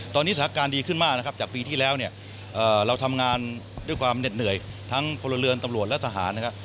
ตอนนี้สถานการณ์ดีขึ้นมากนะครับจากปีที่แล้วเนี่ยเราทำงานด้วยความเหน็ดเหนื่อยทั้งพลเรือนตำรวจและทหารนะครับ